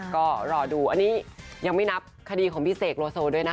ก็รอดูอันนี้ยังไม่นับคดีของพี่เสกโลโซด้วยนะคะ